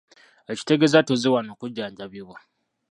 Ekitegeeza tozze wano kujjanjabibwa.